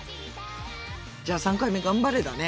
じゃあ３回目頑張れだね。